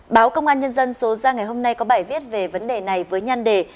báo công an nhân dân số ra ngày hôm nay có bài viết về vấn đề này với nhan đề